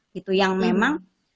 gitu yang memang